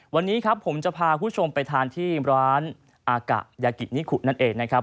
วันนี้ครับผมจะพาคุณผู้ชมไปทานที่ร้านอากะยากินิขุนั่นเองนะครับ